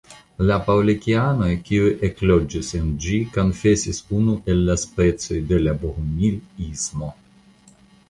La Pavlikianoj kiuj ekloĝis en ĝi konfesis unu el la specoj de la Bogumilismo.